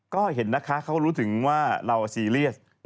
ก็เห็นนะคะเขาก็รู้ถึงว่าเราซีเรียส